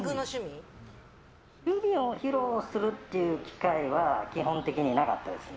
趣味を披露する機会は基本的になかったですね。